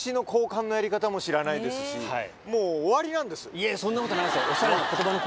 いえそんなことないですよ。